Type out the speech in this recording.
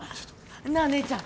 なっ、姉ちゃん！